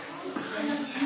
こんにちは。